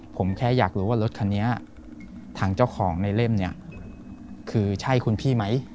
ผมแค่อยากรู้ว่ารถคันนี้ทางเจ้าของในเล่มเนี่ยคือใช่คุณพี่ไหม